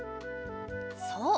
そう！